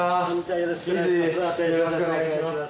よろしくお願いします。